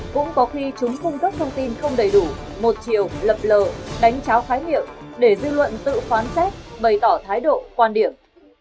cũng có khi chúng cung cấp thông tin không đầy đủ một chiều lập lờ đánh cháo khái niệm để dư luận tự phán xét bày tỏ thái độ quan điểm